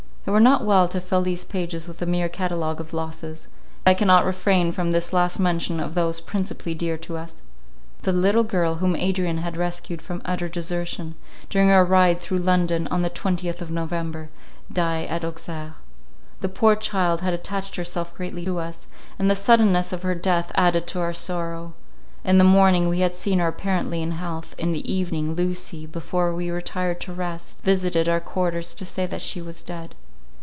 It were not well to fill these pages with a mere catalogue of losses; yet I cannot refrain from this last mention of those principally dear to us. The little girl whom Adrian had rescued from utter desertion, during our ride through London on the twentieth of November, died at Auxerre. The poor child had attached herself greatly to us; and the suddenness of her death added to our sorrow. In the morning we had seen her apparently in health—in the evening, Lucy, before we retired to rest, visited our quarters to say that she was dead.